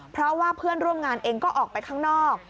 เพราะว่าเพื่อนร่วมงานเองก็ออกไปข้างนอก